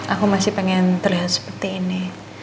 aku masih pengen terlihat seperti ini